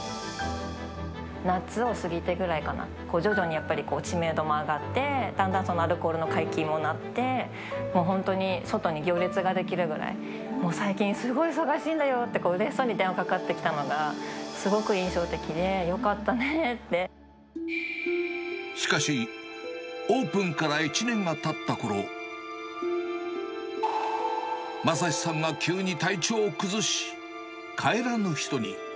夏を過ぎたぐらいかな、徐々にやっぱり知名度も上がって、だんだんアルコールの解禁もなって、もう本当に、外に行列が出来るぐらい、もう最近、すごい忙しいんだよって、うれしそうに電話がかかってきたのがすごく印象的で、よかったねしかし、オープンから１年がたったころ、将司さんが急に体調を崩し、帰らぬ人に。